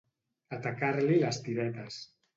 Atacar-li les tiretes.